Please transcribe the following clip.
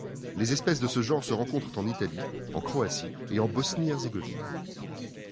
Les espèces de ce genre se rencontrent en Italie, en Croatie et en Bosnie-Herzégovine.